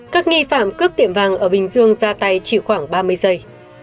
các nghi phạm cướp tiệm vàng ở bình dương ra tay chỉ khoảng ba mươi giây